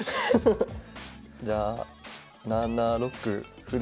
じゃあ７六歩で。